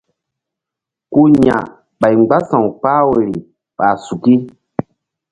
Ku ya̧ ɓay mgbása̧w kpah woyri ɓa suki.